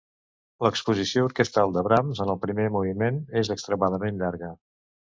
L'exposició orquestral de Brahms en el primer moviment és extremadament llarga.